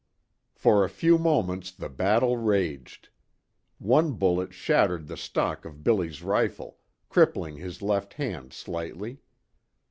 For a few moments the battle raged. One bullet shattered the stock of Billy's rifle, cripping his left hand slightly.